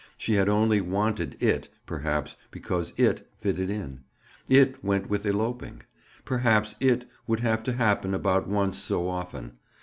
She had only wanted "it," perhaps, because "it" fitted in; "it" went with eloping. Perhaps "it" would have to happen about once so often.